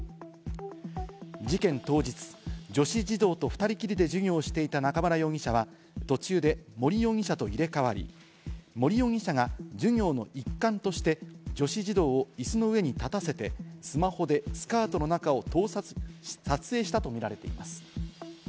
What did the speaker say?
事件当日、女子児童と２人きりで授業をしていた中村容疑者は、途中で森容疑者と入れ替わり、森容疑者が授業の一環として、女子児童をいすの上に立たせてスマホでスカートの中を撮影したとみられています。